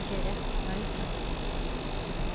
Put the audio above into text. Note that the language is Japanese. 丸井さん。